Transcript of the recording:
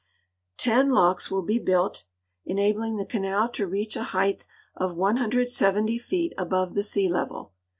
Ten locks will be built, en abling the canal to reach a height of 170 feet above the sea level.